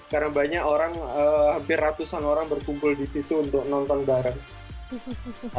karena banyak orang hampir ratusan orang berkumpul disitu untuk nonton bareng